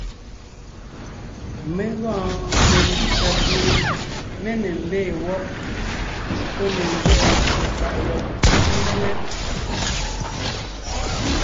Mé gɔɔn metsítsà pie mé ne mbee wɔ́b, pɔ́ ne nzẅɛʼɛ ncwò faʼ yɔb ńnéŋe,